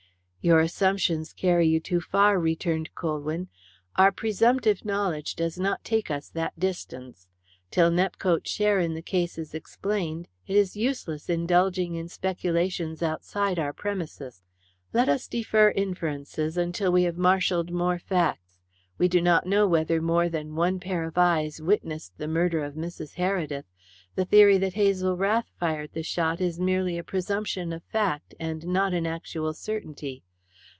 "Your assumptions carry you too far," returned Colwyn. "Our presumptive knowledge does not take us that distance. Till Nepcote's share in the case is explained it is useless indulging in speculations outside our premises. Let us defer inferences until we have marshalled more facts. We do not know whether more than one pair of eyes witnessed the murder of Mrs. Heredith; the theory that Hazel Rath fired the shot is merely a presumption of fact, and not an actual certainty.